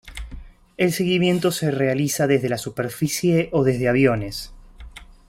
El seguimiento se realiza desde la superficie o desde aviones.